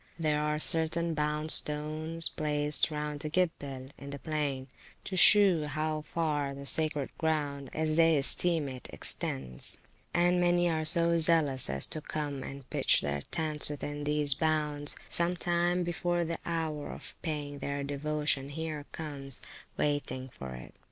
There are certain bound stones placed round the Gibbel, in the plain, to shew how far the sacred ground (as they esteem it) extends; and many are so zealous as to come and pitch their tents within these bounds, some time before the hour of paying their devotion here comes, waiting for it.